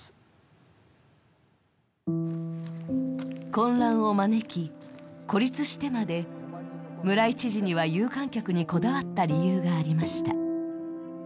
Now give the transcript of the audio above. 混乱を招き、孤立してまで村井知事には有観客にこだわった理由がありました。